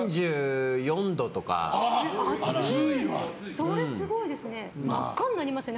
それすごいですね。